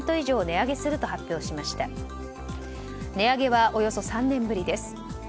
値上げはおよそ３年ぶりです。